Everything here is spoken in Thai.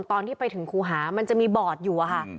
ตอนที่ไปถึงครูหามันจะมีบอร์ดอยู่อะค่ะ